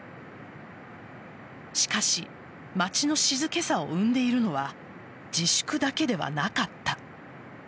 しかし街の静けさを生んでいるのは自粛だけではなかった。